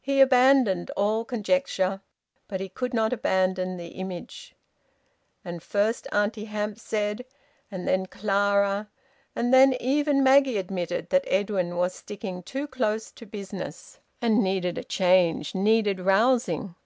He abandoned all conjecture. But he could not abandon the image. And first Auntie Hamps said, and then Clara, and then even Maggie admitted, that Edwin was sticking too close to business and needed a change, needed rousing.